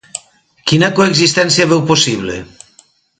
Quina coexistència veu possible?